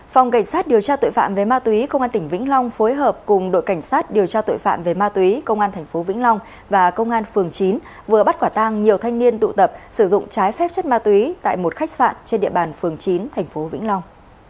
phòng cảnh sát điều tra tội phạm về ma túy công an tỉnh vĩnh long phối hợp cùng đội cảnh sát điều tra tội phạm về ma túy công an tp vĩnh long và công an phường chín vừa bắt quả tang nhiều thanh niên tụ tập sử dụng trái phép chất ma túy tại một khách sạn trên địa bàn phường chín tp vĩnh long